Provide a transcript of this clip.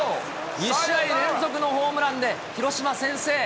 ２試合連続のホームランで、広島先制。